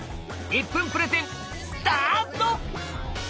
１分プレゼンスタート！